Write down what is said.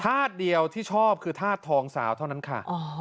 เดียวที่ชอบคือธาตุทองสาวเท่านั้นค่ะ